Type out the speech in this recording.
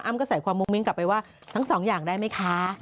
ก็ใส่ความมุ้งมิ้งกลับไปว่าทั้งสองอย่างได้ไหมคะ